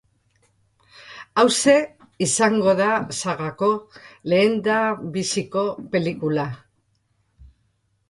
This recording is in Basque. Hauxe izango da sagako lehendabiziko pelikula.